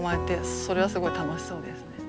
それはすごい楽しそうですね。